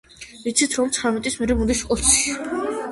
ვიცით, რომ ცხრამეტის მერე მოდის ოცი.